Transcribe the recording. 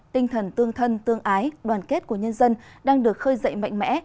tinh thần tương thân tương ái đoàn kết của nhân dân đang được khơi dậy mạnh mẽ